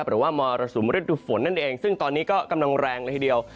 หรือว่ามรสุมฤดูฝนนั่นเองซึ่งตอนนี้ก็กำลังแรงเลยทีเดียว